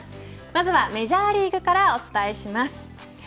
まずはメジャーリーグからお伝えします。